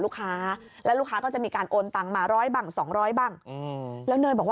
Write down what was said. หนูหนูอยู่มาเดือนกว่าแล้วอ่ะก่อนแรกมาหนูก็โดนทำร้ายแล้วอ่ะ